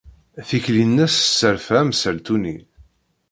Tikli-nnes tesserfa amsaltu-nni.